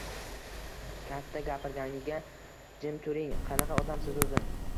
— Katta gapirganda, jim turing! Qanaqa odamsiz, o‘zi?